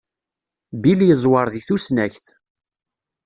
Bill yeẓwer di tusnakt.